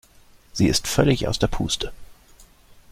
Sie ist völlig aus der Puste.